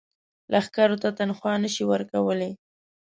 لښکرو ته تنخوا نه شي ورکولای.